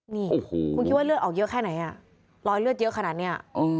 นี่คุณคิดว่าเลือดออกเยอะแค่ไหนอ่ะรอยเลือดเยอะขนาดนี้